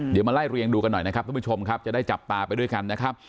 เดี๋ยวมาไล่เรียงดูกันหน่อยนะครับทุกผู้ชมครับจะได้จับตาไปด้วยกันนะครับ